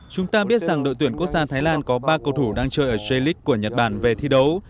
chúng ta biết rằng đội tuyển quốc gia thái lan có ba cầu thủ đang chơi ở j leage của nhật bản về thi đấu